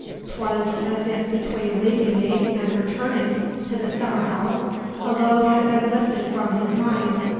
'Twas as if between leaving me and returning to the summer house a load had been lifted from his mind.